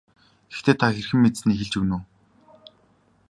Гэхдээ та хэрхэн мэдсэнээ хэлж өгнө үү.